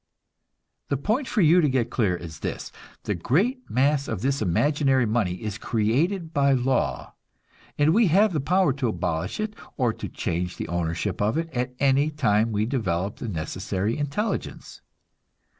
The point for you to get clear is this: The great mass of this imaginary money is created by law, and we have the power to abolish it or to change the ownership of it at any time we develop the necessary intelligence.